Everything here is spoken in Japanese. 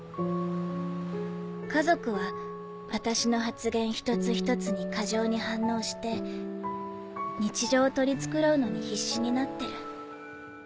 家族は私の発言一つ一つに過剰に反応して日常を取り繕うのに必死になってる。